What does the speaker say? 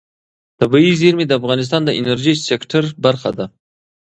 طبیعي زیرمې د افغانستان د انرژۍ سکتور برخه ده.